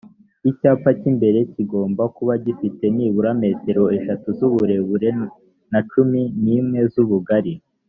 icyapa cy imbere kigomba kuba gifite nibura metero eshatu zuburebure na cumi nimwe z ubugari